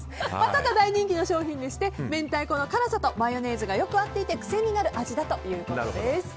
ただ、大人気の商品でして明太子の辛さとマヨネーズがよく合っていて癖になる味だということです。